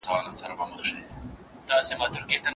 د هر کار د پیلولو مخکي تل اوږدمهالی فکر وکړئ.